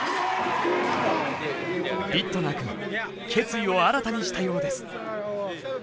ビットナー君決意を新たにしたようです。